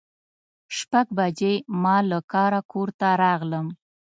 شپږ بجې ما له کاره کور ته راغلم.